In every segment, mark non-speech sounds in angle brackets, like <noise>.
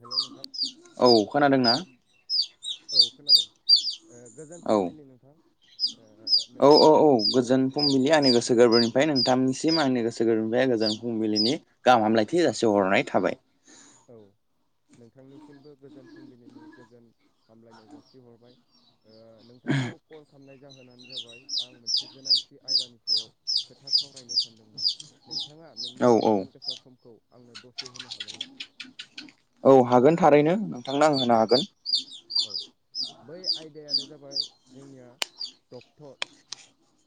Hello नोंथां? औ खोनादोंना ओ औ खोनादों ओ गोजोन औ फुंबिलि नोंथां। ओ औ औ औ नोंथांनिसिम कल हरनाय जाहोनानो जाबाय नोंथांनि सिम आंनि गोसो गोरबोनिफ्राय गोजोन फुंबिलिनि गाहाम हामलायथि जासिहरनाय थाबाय। औ। नोंथांनिसिमबो गोजोन फुंबिलिनि गोजोन हामलायनाय जासिहरबाय। ओ नोंथांखौ कल खामनाय जाहोनानो जाबाय आं मोनसे गोनांथि आयदानि सायाव खोथा सावरायनो सानदोंमोन। नोंथाङा औ नोंनि औ बेसेन गोसा समखौ आंनो दसे होनो हागोनना? औ हागोन थारैनो नोंथांनो आं होनो हागोन। औ बै आयदायानो जाबाय जोंनिया डक्टर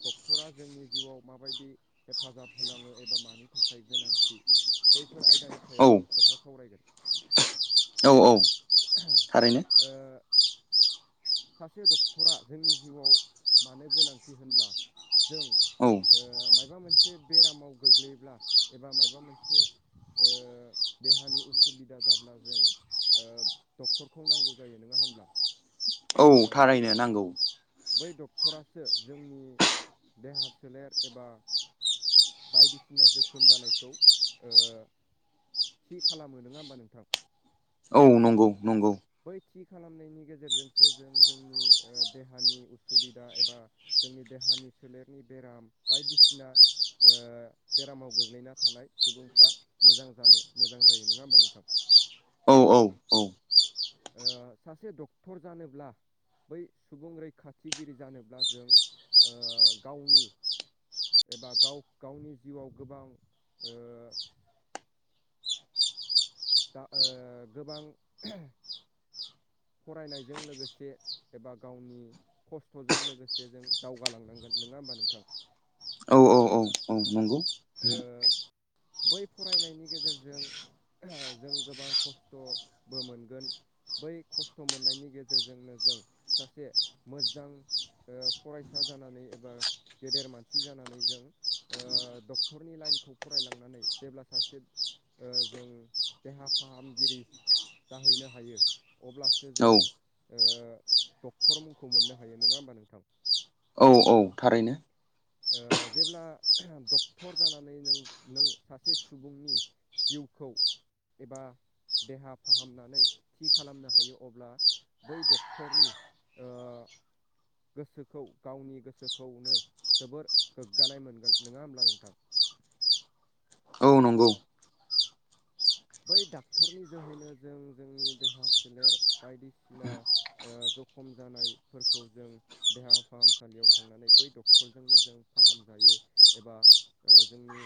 डक्टरा जोंनि जिउआव माबायदि हेफाजाब होनाङो एबा मानि थाखाय गोनांथि बैफोर आयदानि सायाव खोथा सावरायगोन। औ-औ थारैनो। ओ सासे डक्टरा जोंनि जिउआव मानो गोनांथि होनब्ला जों औ ओ माइबा मोनसे बेरामाव गोग्लैयोब्ला एबा माइबा मोनसे ओ देहानि उसुबिदा जाब्ला जों ओ डक्टरखौ नांगौ जायो नङा होनब्ला? औ ओ थारायनो नांगौ। बै डक्टरासो जोंनि देहा सोलेर एबा बायदिसिना जोखोम जानायखौ ओ थि खालामो नङा होमबा नोंथां? औ नंगौ-नंगौ। बै थि खालामनायनि गेजेरजोंसो जों जोंनि ओ देहानि उसुबिदा एबा जोंनि देहानि सोलेरनि बेराम बायदिसिना ओ बेरामाव गोग्लैना थानाय सुबुंफ्रा मोजां जानो मोजां जायो नङा होमबा नोंथां? औ औ औ ओ सासे डक्टर जानोब्ला बै सुबुं रैखाथिगिरि जानोब्ला जों ओ गावनि एबा गाव गावनि जिउआव गोबां ओ दा ओ गोबां फरायनायजों लोगोसे एबा गावनि खस्थ'जों लोगोसे जों दावगालांनांगोन नङा होमबा नोंथां? औ औ औ औ नंगौ। ओ बै फरायनायनि गेजेरजों जों गोबां खस्थ'बो मोनगोन बै खस्थ' मोननायनि गेजेरजोंनो जों सासे मोजां ओ फरायसा जानानै एबा गेदेर मानसि जानानै जों ओ डकथर डक्टरनि लाइनखौ फरायलांनानै जेब्ला सासे ओ जों देहा फाहामगिरि जाहैनो हायो अब्लासो औ जों ओ डक्टर मुंखौ मोननो हायो नङा होमबा नोंथां औ औ थारैनो ओ जेब्ला डक्टर डक्टर जानानै नों नों सासे सुबुंनि जिउखौ एबा देहा फाहामनानै थि खालामनो हायो अब्ला बै डक्टरनि ओ गोसोखौ गावनि गोसोखौनो जोबोर गोग्गानाय मोनगोन नङा होमब्ला नों <inaudible> औ नंगौ बै डाक्टरनि जोहैनो जों जोंनि देहा सोलेर बायदिसिना ओ जखम जानायफोरखौ जों देहा फाहामसालियाव थांनानै बै डक्टरजोंनो जों फाहामजायो एबा जोंनि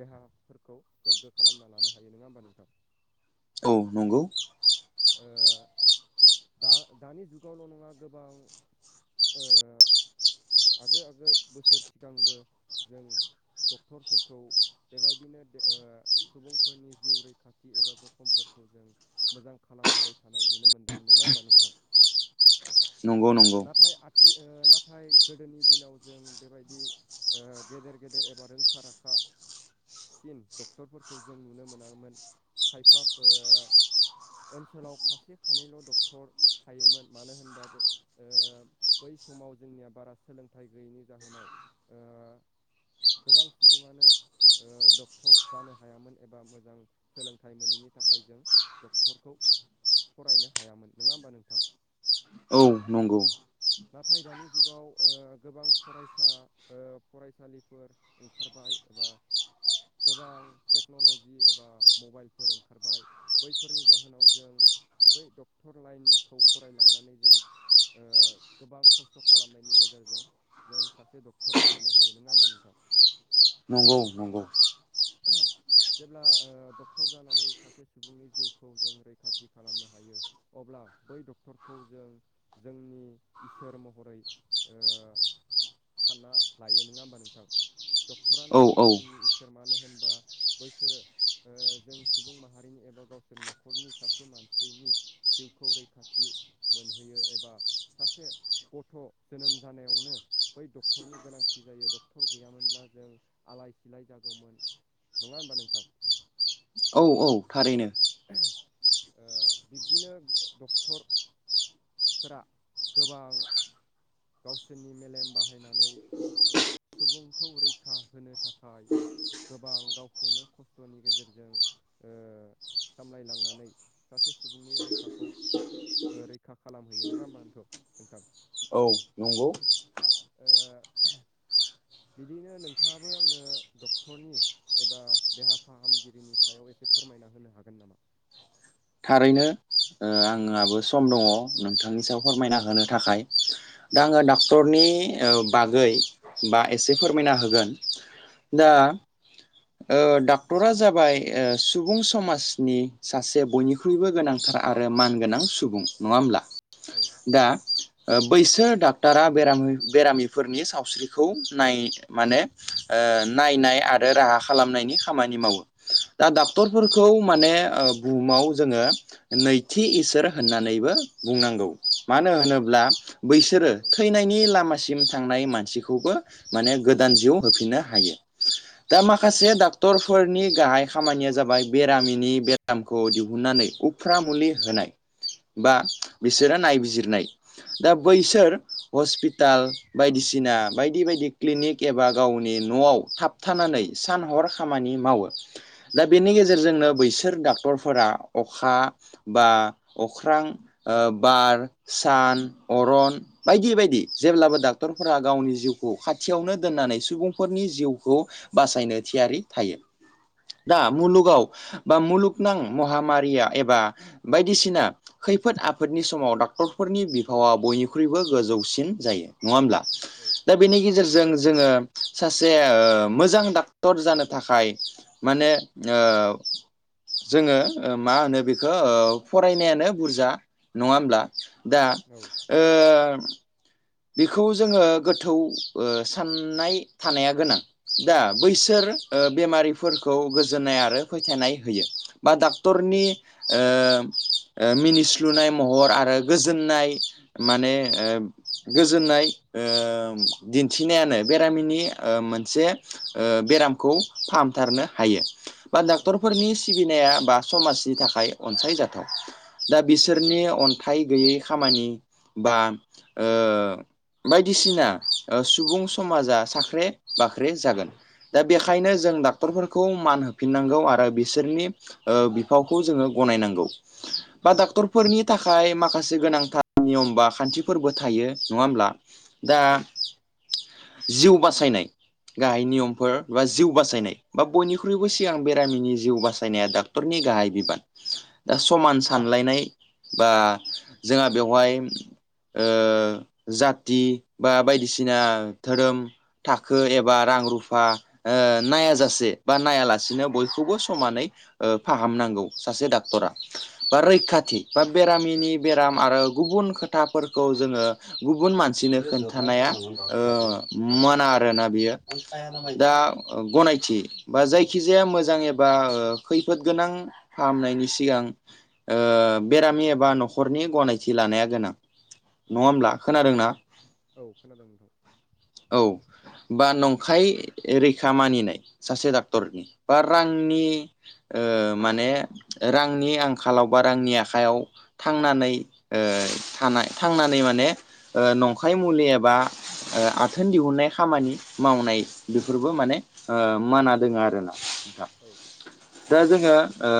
देहाफोरखौ गोग्गो खालामना लानो हायो नङा होमबा नोंथां औ नंगौ ओ दा दानि जुगावल' नङा गोबां ओ आगो आगो बोसोर सिगांबो जों डक्टरफोरखौ बेबायदिनो ओ सुबुं फोरनि जिउ रैखाथि एबा जखमफोरखौ जों मोजां खालामबोबाय थानाय नुनो मोन्दों नोङा होमबा नोंथां नंगौ न नाथाय आथि नाथाय गोदोनि दिनाव जों बेबायदि ओ गेदेर गेदेर एबा रोंखा राखासिन डक्टरफोरखौ जों नुनो मोनामामोन खायफा ओनसोलाव खासे खानैल' डक्टर थायोमोन मानो होनबाबो ओ बै समाव जोंनिया बारा सोलोंथाइ गैयैनि जाहोनाव ओ गोबां सुबुङानो ओ डक्टर जानो हायामोन एबा मोजां सोलोंथाइ मोनैनि थाखाय जों डक्टरखौ फरायनो हायामोन नोङा होमबा नोंथां? औ नंगौ नाथाय दानि जुगाव ओ गोबां फरायसा ओ फरायसालिफोर ओंखारबाय एबा गोबां टेक टेक्न'ल'जि एबा मबाइलफोर ओंखारबाय बैफोरनि जाहोनाव जों बै डक्टर लाइनखौ फराय लांनानै जों ओ गोबां खस्थ' खालामनायनि गेजेरजों जों सासे डक्टर जाहैनो हायो नङा होमबा नोंथां? नंगौ नंगौ <inaudible> जेब्ला ओ डक्टर जानानै सासे सुबुंनि जिउखौ जों रैखाथि खालामनो हायो। अब्ला बै डक्टरखौ जों जोंनि इसोर महरै ओ सानना लायो नङा होमबा नोंथां औ डक्टरानो औ जाबाय जोंनि इसोर मानो होनबा बैसोरो ओ जों सुबुं माहारिनि एबा गावसोर न'खरनि सासे मानसिनि जिउखौ रैखाथि मोनहोयो एबा सासे गथ' जोनोम जानायावनो बै डक्टरनि गोनांथि जायो डक्टर गैयामोनब्ला जों आलाय सिलाय जागौमोन। नङा होनबा नोंथां? औ औ थारैनो औ बिब्दिनो डक्टर फोर गोबां गावसोरनि मेलेम बाहायनानै जोंखौ रैखा होनो थाखाय गोबां गावखौनो खस्थ'नि गेजेरजों ओ सामलायलांनानै सासे सुबुंनि रैखाखौ रैखा खालामहैयो नङा होमबानोथ' नोंथां? औ नंगौ ओ बिदिनो नोंथाङाबो आंनो डक्टरनि एबा देहा फाहामगिरिनि सायाव एसे फोरमायना होनो हागोन नामा? थारैनो आंहाबो सम दङ नोंथांनि सायाव फोरमायना होनो थाखाय। दा आङो औ डाक्टरनि ओ बागै बा एसे फोरमायना होगोन दा औ ओ डक्टरा जाबाय ओ सुबुं समाजनि सासे बयनिख बख्रुइबो गोनांथार आरो मानगोनां सुबुं नङा होमब्ला औ दा औ बैसो डाक्टरा बेराम बेरामिफोरनि सावस्रिखौ नाय माने ओ नायनाय आरो राहा खालामनायनि खामानि मावो दा डाक्टरफोरखौ माने ओ बुहुमाव जोङो नैथि इसोर होननानैबो बुंनांगौ मानो होनोब्ला बैसोरो औ थै फनायनि लामासिम थांनाय मानसिखौबो माने गोदान जिउ होफिननो हायो। दा औ माखासे डाक्टरफोरनि गाहाय खामानिया जाबाय बेरामिनि बे दामखौ दिहुननानै उफ्रा मुलि होनाय बा बिसोरो नायबिजिरनाय दा बैसोर हस्पिटाल बायदिसिना बायदि बायदि क्लिनिक एबा गावनि न'आव थाबथानानै सान हर खामानि मावो। दा बेनि औ गेजेरजोंनो बैसोर डक्टरफोरा अखा बा अख्रां ओ बार सान अरन बायदि बायदि जेब्लाबो दा क्टरफोरा गावनि जिउखौ खाथियावनो दोननानै सुबुं फोरनि जिउखौ बासायनो थियारि थायो दा औ मुलुगाव बा मुलुगनां महामारिया एबा बायदिसिना खैफोद आफोदनि समाव डक्टरफोरनि बिफावा बयनिख्रुइबो गोजौसिन जायो नङा होमब्ला? औ दा बेनि गेजेरजों जोङो सासे ओ मोजां डक्टर जानो थाखाय माने ओ जोङो मा होनो बेखौ ओ फरायनायानो बुरजा नङा होमब्ला दा औ ओ बिखौ जोङो गोथौ ओ साननाय थानाया गोनां दा बैसोर ओ बेमारिफोरखौ गोजोननाय आरो फोथायनाय होयो बा दा औ क्टरनि ओ ओ मिनिस्लुनाय महर आरो गोजोननाय माने ओ गोजोननाय ओ दिन्थिनायानो बेरामिनि ओ औ मोनसे ओ बेरामखौ फाहामथारनो हायो बा औ डाक्टरफोरनि सिबिनाया बा समाजनि थाखाय अनसायजाथाव दा औ बेसोरनि अन थाय गैयि खामानि बा ओ बायदिसिना ओ सुबुं समाजा साख्रे बाख्रे जागोन दा बेखायनो औ जों दा क्टरफोरखौ मान होफिननांगौ आरो बिसोरनि ओ बिफावखौ जोङो गनायनांगौ। बा औ डाक्टरफोरनि थाखाय माखासे गोनांथार नियम बा खान्थिफोरबो थायो नङा होमब्ला दा औ जिउ बासायनाय गाहाय नियमफोर बा जिउ बासायनाय। बा बयनिख्रुइबो औ सिगां बेरामिनि जिउ बासायनाया डाक्टरनि गाहाय बिबान दा समान सानलायनाय बा जोंहा बेवहाय ओ जाति बा बायदिसिना धोरोम थाखो औ एबा रां रु फा ओ नाया जासे बा नायालासेनो बयखौबो समानै ओ फाहामनांगौ सासे डाक्टरा। बा रैखाथि बा बेरामिनि बेराम आरो गुबुन खोथाफोर खौ जोङो गुबुन मानसिनो खोन्थानाया ओ मोनाट आरोना बियो औ दा गनायथि बा जायखिजाया मोजां एबा खैफोद गोनां फाहामनायनि सिगां ओ बेरामि एबा न'खरनि गनायथि लानाया गोनां। नङा औ होमब्ला खोनादोंना? औ खोनादों नोंथां औ। बा नंखाय रैखा मानिनाय सासे डाक्टरनि बा रांनि ओ माने रांनि आंखालाव बा रांनि आखाइयाव। थांनानै ओ थानाय थांनानै माने नंखाय मुलि एबा ओ आथोन दिहुननाय खामानि मावनाय बेफोरबो माने ओ माना दोङो आरो। <unintelligible> औ दा जोङो ओ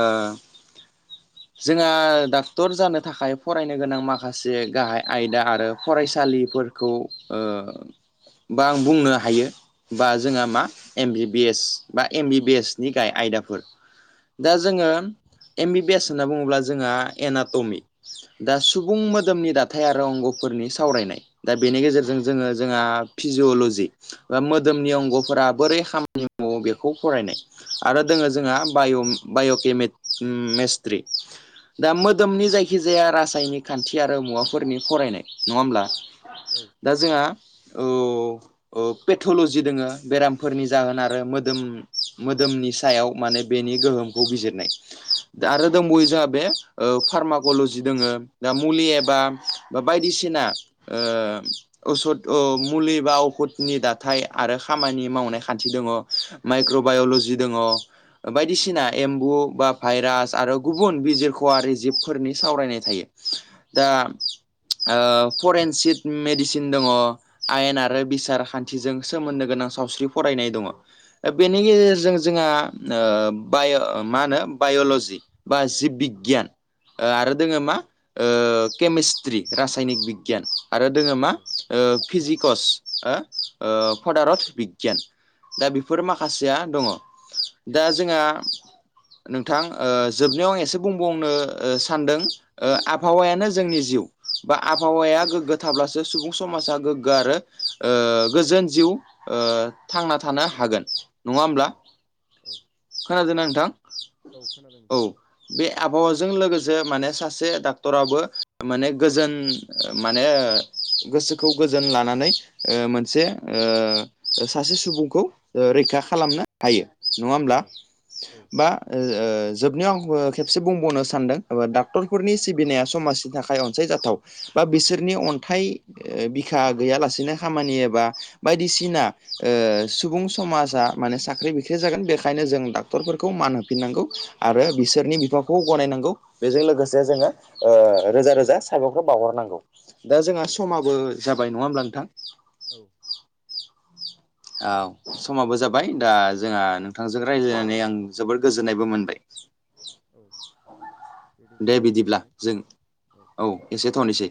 जोंहा डाक्टर जानो थाखाय फरायनो गोनां माखासे गाहाय आयदा आरो फरायसालिफोरखौओ बा आं बुंनो हायो बा औ जोंहा मा एम बि बिएस बा एम बि औ बिएस नि गाहाय आयदाफोर। दा जोङो एम बि बिएस होनना बुङोब्ला जोंहा एनाटमि दा सुबुं मोदोमनि दा थाय आरो अंग'फोरनि सावरायनाय। दा बेनि औ गेजेरजों जोङो जोंहा फिजिअल'जि बा मोदोमनि अंगफोरा बोरै खामानि मावो बेखौ फरायनाय। आरो दोङो जोंहा बाय बाय'के मिस्ट्रि। दा मोदोमनि जायखिजाया रासायनिक खान्थि आरो मुवाफोरनि फरायनाय नङा होमब्ला! औ। दा जोंहा औ ओ पेथलजि दङो बेरामफोरनि जाहोन आरो मोदोम मोदोमनि सायाव माने बेनि गोहोमखौ बिजिरनाय। दा आरो दंबावयो जोंहा बे ओ फार्मकल'जि दङो दा मुलि एबा बा बायदिसिना ओ असद अ मुलि बा अखुदनि दाथाय आरो खामानि मावनाय खान्थि दङ। माइक्र'बायल'जि दङ। बायदिसिना एम्बु बा भाइरास आरो गुबुन बिजिरख'आरि जिबफोरनि सावरायनाय थायो। दा ओ फरेनसिक मेडिसिन दङ आयेन आरो बिसार खा न्थिजों सोमोन्दो गोनां सावस्रि फरायनाय दङ। दा बेनि गेजेरजों जोंहा ओ बाय' माहोनो बाय'ल'जि बा जिब बिगियान ओ आरो दोङो मा। ओ केमिस्ट्रि रासायनिक बिगियान आरो दोङो मा ओ फिजिकस ओ फदारथ बिगियान। दा बेफोर माखासेया दङ। दा जोंहा नोंथां ओ जोबनायाव आं एसे बुंबावनो ओ सानदों ओ आबहावायानो जोंनि जिउ बा आबहावाया गोगो थाब्लासो सुबुं समाजा गोग्गो आरो ओ गोजोन जिउ ओ थांना थानो हागोन नङा औ होनब्ला! औ औ खोनादोंना नोंथां? औ खोनादों औ नोंथां। बे आबहावाजों लोगोसे माने सासे डाक्टराबो माने गोजोन ओ माने गोसोखौ गोजोन लानानै ओ मोनसे ओ सासे सुबुंखौ ओ रैखा खालामनो हायो नङा होमब्ला! औ बा ओ जोबनायाव आं खेबसे बुंबावनो सानदों डाक्टरफोरनि सिबिनाया समाज थाखाय अनसायजाथाव बा बिसोरनि अन थाय बिखा गैयालासेनो खामानि एबा बायदिसिना ओ औ सुबुं समाजा माने साख्रि बिख्रि जागोन बेखायनो जों डाक्टरफोरखौ मान होफिननांगौ आरो बिसोरनि बिफावखौ गनायनांगौ बेजों लोगोसे जोङो ओ रोजा रोजा साबायखर बावहरनांगौ दा जोंहा समाबो जाबाय नङा होमब्ला नोंथां! औ औ समाबो जाबाय दा जोंहा नोंथांजों रायलायनानै आं जोबोर गोजोननायबो मोनबाय औ दे बिदिब्ला गोजोनबाय जों नोंथां औ एसे थ'नोसै